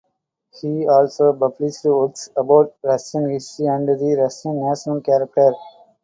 He also published works about Russian history and the Russian national character.